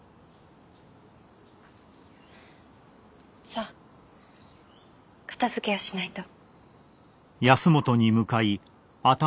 さあ片づけをしないと。